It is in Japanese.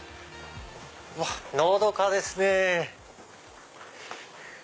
のどかですね。